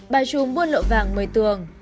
bà trùm buôn lộ vàng một mươi tường